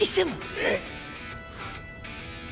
えっ！？